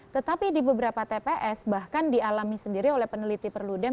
tetapi di beberapa tps bahkan dialami sendiri oleh peneliti perludem